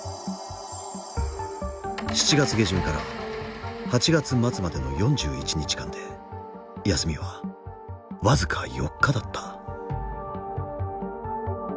７月下旬から８月末までの４１日間で休みは僅か４日だった。